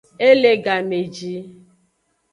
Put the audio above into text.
E le game ji.